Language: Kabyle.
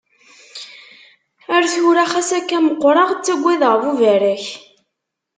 Ar tura xas akka meqqreɣ, ttaggadeɣ buberrak.